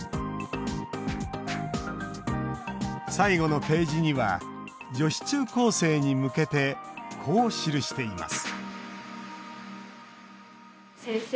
最後のページには女子中高生に向けてこう記しています